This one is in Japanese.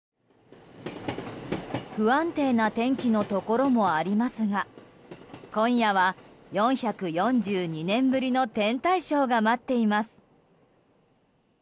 不安定な天気のところもありますが今夜は４４２年ぶりの天体ショーが待っています。